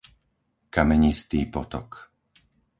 Kamenistý potok